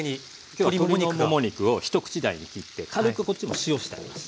今日は鶏のもも肉を一口大に切って軽くこっちも塩してあります。